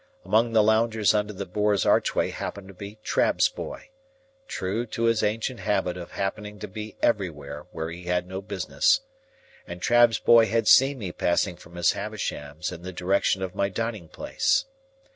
Among the loungers under the Boar's archway happened to be Trabb's Boy,—true to his ancient habit of happening to be everywhere where he had no business,—and Trabb's boy had seen me passing from Miss Havisham's in the direction of my dining place.